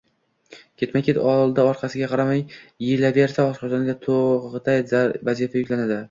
Ketma-ket, oldi-orqasiga qaramay yeyilaversa, oshqozonga tog‘day vazifa yuklanadi.